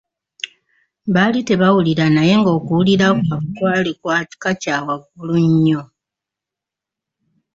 Baali tebawulira naye nga okuwulira kwabwe kwali kwa kika kya waggulu nnyo.